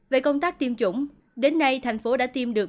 về công tác tiêm chủng đến nay thành phố đã tiêm được